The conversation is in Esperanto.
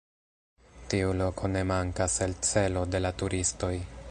Tiu loko ne mankas el celo de la turistoj.